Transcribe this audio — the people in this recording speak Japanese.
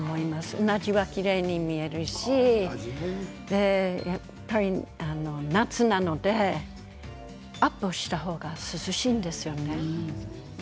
うなじがきれいに見えるしやっぱり夏なのでアップにした方が涼しいんですよね。